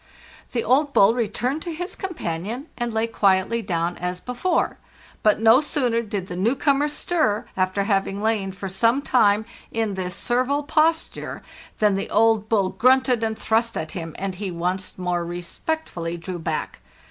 The old bull returned to his companion, and lay quietly down as before, but no sooner did the new comer stir, after having lain for some time in this servile posture, than the old bull grunted and thrust at him, and he once more respectfully drew back.